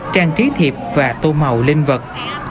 trang trí thiệp và tô màu lên vật